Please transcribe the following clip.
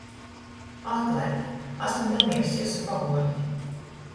Atlaidit, asmu damierss jiusu pavuordi.